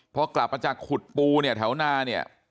พอกลับมาจากขุดปูเนี่ยแถวนาเนี่ย